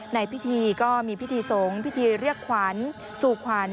ในพิธีก็มีพิธีสงฆ์พิธีเรียกขวัญสู่ขวัญ